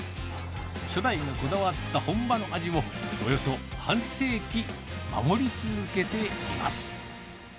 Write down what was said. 初代がこだわった本場の味を、およそ半世紀、守り続けています。